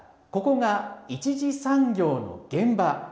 ここが１次産業の現場。